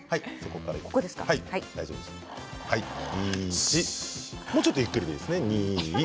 １もうちょっとゆっくりでいいですね。